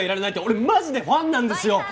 俺マジでファンなんですよ。